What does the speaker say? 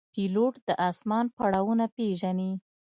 پیلوټ د آسمان پړاوونه پېژني.